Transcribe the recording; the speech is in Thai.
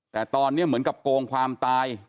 แต่ตอนนี้เหมือนกับโกงความตาย